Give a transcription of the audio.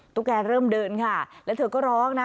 แกเริ่มเดินค่ะแล้วเธอก็ร้องนะ